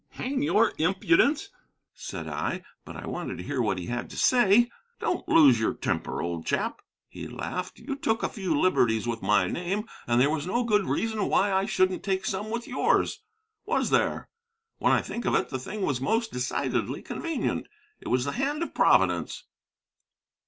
'Hang your impudence,' said I, but I wanted to hear what he had to say. 'Don't lose your temper, old chap,' he laughed; 'you took a few liberties with my name, and there was no good reason why I shouldn't take some with yours. Was there? When I think of it, the thing was most decidedly convenient; it was the hand of Providence.'